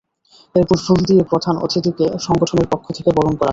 এরপর ফুল দিয়ে প্রধান অতিথিকে সংগঠনের পক্ষ থেকে বরণ করা হয়।